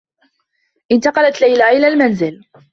انتقلت ليلى إلى المنزل.